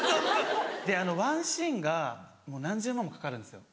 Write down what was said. であのワンシーンがもう何十万もかかるんですよ